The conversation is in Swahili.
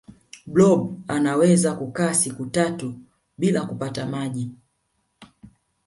blob anawezo kukaa siku tatu bila kupata maji